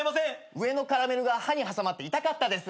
上のカラメルが歯に挟まって痛かったです。